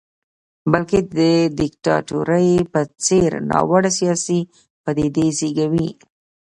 بلکې د دیکتاتورۍ په څېر ناوړه سیاسي پدیدې زېږوي.